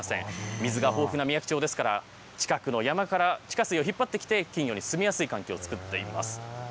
水が豊富なみやき町ですから、近くの山から地下水を引っ張ってきて、金魚に住みやすい環境を作っています。